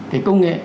cái công nghệ